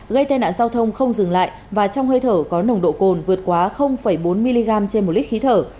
gây tai nạn giao thông không dừng lại và trong hơi thở có nồng độ cồn vượt quá bốn mg trên một lít khí thở